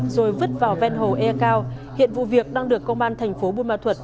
rồi vứt vào ven hồ e cao hiện vụ việc đang được công an tp buôn ma thuật